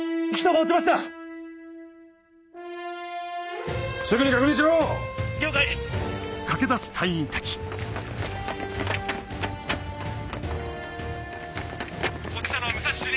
落ちたのは武蔵主任。